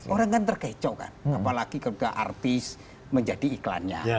orang kan terkecoh kan apalagi ketika artis menjadi iklannya